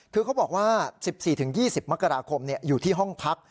คือเขาบอกว่า๑๔๒๐มกราคมอยู่ที่ห้องพัก